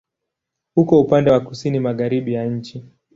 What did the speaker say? Uko upande wa kusini-magharibi ya nchi.